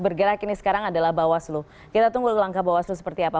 bergerak ini sekarang adalah bawah seluruh kita tunggu langkah bawah seluruh seperti apa